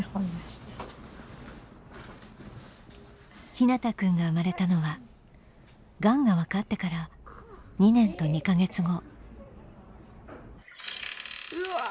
陽向くんが生まれたのはがんが分かってから２年と２か月後。